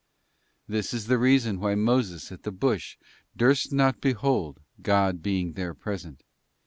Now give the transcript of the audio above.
'* This is the reason why Moses at the bush ' durst _ not behold,' + God being there present.